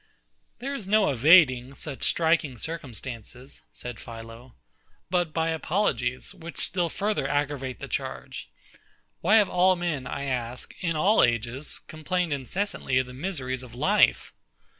There is no evading such striking instances, said PHILO, but by apologies, which still further aggravate the charge. Why have all men, I ask, in all ages, complained incessantly of the miseries of life?...